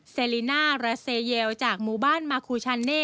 เซลิน่าราเซเยลจากหมู่บ้านมาคูชันเน่